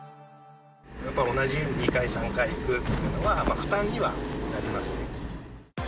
やっぱ同じ家に２回、３回行くってのは、負担にはなりますね。